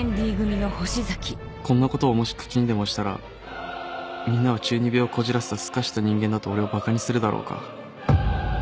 こんなことをもし口にでもしたらみんなは中二病をこじらせたすかした人間だと俺をバカにするだろうか